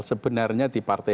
sebenarnya di partai hanura